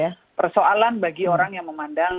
nah persoalan bagi orang yang memandang